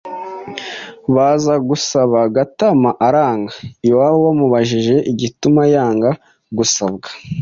baza kumusaba. Gatama aranga. Iwabo bamubajije igituma yanga gusabwa,